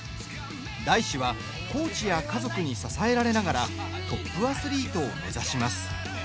大志はコーチや家族に支えられながらトップアスリートを目指します。